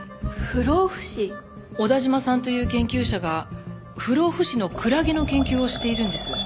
小田嶋さんという研究者が不老不死のクラゲの研究をしているんです。